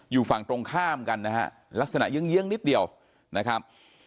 อยู่ฝั่งตรงข้ามกันนะฮะลักษณะเยื้องนิดเดียวนะครับ